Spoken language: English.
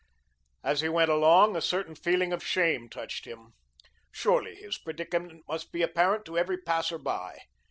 As he went along, a certain feeling of shame touched him. Surely his predicament must be apparent to every passer by.